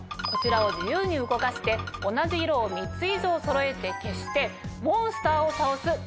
こちらを自由に動かして同じ色を３つ以上そろえて消してモンスターを倒す